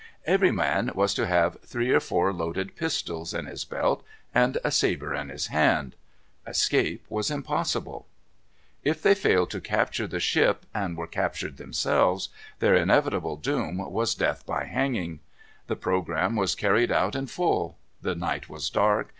Every man was to have three or four loaded pistols in his belt, and a sabre in his hand. Escape was impossible. If they failed to capture the ship, and were captured themselves, their inevitable doom was death by hanging. The programme was carried out in full. The night was dark.